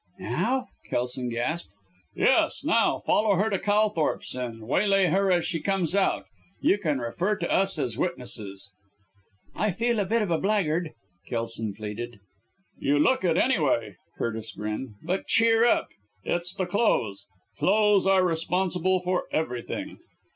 "Now?" Kelson gasped. "Yes! Now! Follow her to Calthorpe's and waylay her as she comes out. You can refer to us as witnesses." "I feel a bit of a blackguard," Kelson pleaded. "You look it, anyway," Curtis grinned. "But cheer up it's the clothes. Clothes are responsible for everything!"